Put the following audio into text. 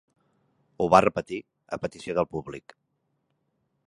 Ho va repetir a petició del públic.